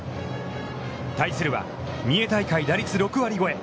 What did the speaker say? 対するは、三重大会打率６割超え。